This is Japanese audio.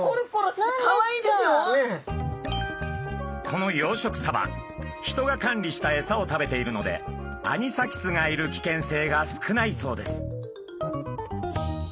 この養殖サバ人が管理した餌を食べているのでアニサキスがいる危険性が少ないそうです。